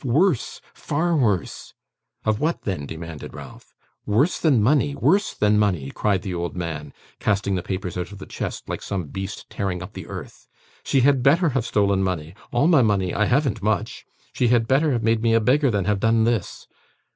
Worse! far worse!' 'Of what then?' demanded Ralph. 'Worse than money, worse than money!' cried the old man, casting the papers out of the chest, like some beast tearing up the earth. 'She had better have stolen money all my money I haven't much! She had better have made me a beggar than have done this!